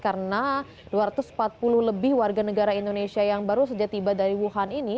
karena dua ratus empat puluh lebih warga negara indonesia yang baru saja tiba dari wuhan ini